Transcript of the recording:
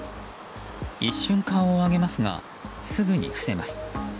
一瞬、顔を上げますがすぐに伏せます。